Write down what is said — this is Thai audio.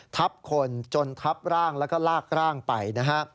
ทับคนจนทับร่างแล้วก็ลากร่างไปนะฮะ